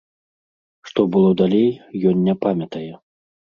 Што было далей, ён не памятае.